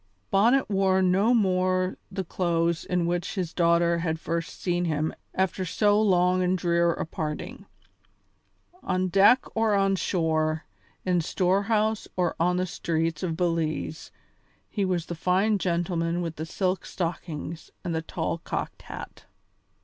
Bonnet wore no more the clothes in which his daughter had first seen him after so long and drear a parting. On deck or on shore, in storehouse or on the streets of Belize, he was the fine gentleman with the silk stockings and the tall cocked hat.